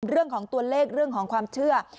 เรื่องของตัวเลขเรื่องของความเชื่อ